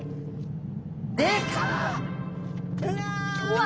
うわ！